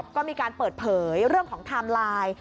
ก็มีการเปิดเผยเรื่องของไทม์ไลน์